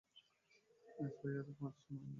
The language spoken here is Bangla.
এফআইআর-এ পাঁচ জনের নাম ছিল।